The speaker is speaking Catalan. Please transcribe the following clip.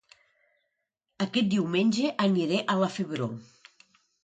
Aquest diumenge aniré a La Febró